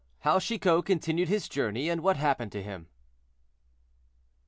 HOW CHICOT CONTINUED HIS JOURNEY, AND WHAT HAPPENED TO HIM.